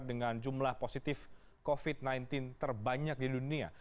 dengan jumlah positif covid sembilan belas terbanyak di dunia